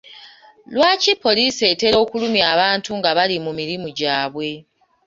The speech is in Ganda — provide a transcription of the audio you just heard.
Lwaki poliisi etera okulumya abantu nga bali mu mirimu gyabwe?